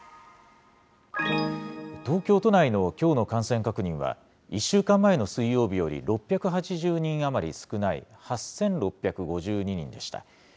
東京都内のきょうの感染確認は、１週間前の水曜日より６８０人余り少ない８６５２人でした。